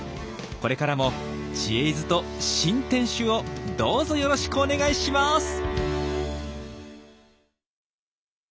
これからも「知恵泉」と新店主をどうぞよろしくお願いします！